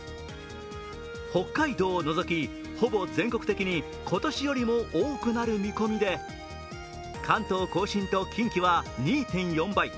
北海道を除き、ほぼ全国的に今年よりも多くなる見込みで関東甲信と近畿は２．４倍。